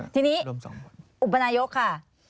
ทีนี้อุปนายกค่ะ